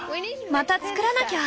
またつくらなきゃ。